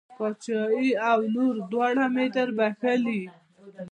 پاچهي او لور دواړه مې در بښلې.